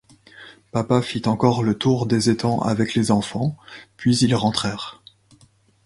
Papa fit encore le tour des étangs avec les enfants, puis ils rentrèrent.